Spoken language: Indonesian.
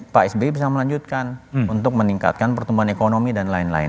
pak sby bisa melanjutkan untuk meningkatkan pertumbuhan ekonomi dan lain lain